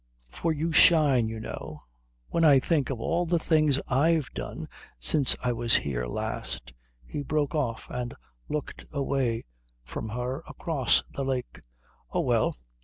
For you shine, you know. When I think of all the things I've done since I was here last " He broke off, and looked away from her across the lake. "Oh, well.